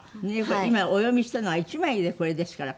今お読みしたのは１枚でこれですから。